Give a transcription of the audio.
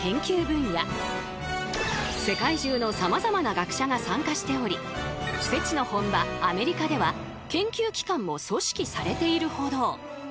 世界中のさまざまな学者が参加しておりＳＥＴＩの本場アメリカでは研究機関も組織されているほど。